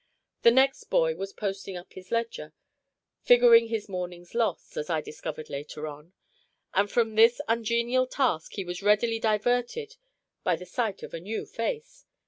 The next boy was posting up his ledger, figuring his morning's loss, as I discovered later on; and from this ungenial task he was readily diverted by the sight of a new face.